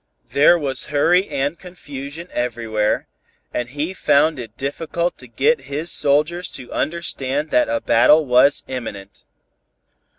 There was hurry and confusion everywhere, and he found it difficult to get his soldiers to understand that a battle was imminent.